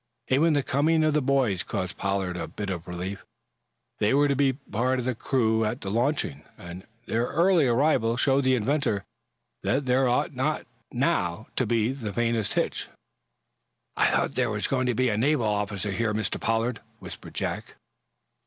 Even the coming of the boys caused Pollard a bit of relief. They were to be of the crew at the launching, and their early arrival showed the inventor that there ought not, now, to be the faintest hitch. "I thought there was going to be a naval officer here, Mr. Pollard," whispered Jack.